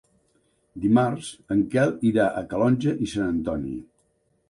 Dimarts en Quel irà a Calonge i Sant Antoni.